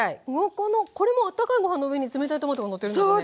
このこれもあったかいご飯の上に冷たいトマトがのってるんですよね？